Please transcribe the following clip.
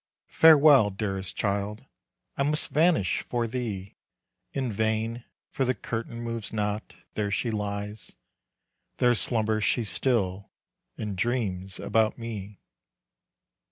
Farewell, dearest child, I must vanish for thee, In vain! for the curtain moves not there she lies, There slumbers she still and dreams about me?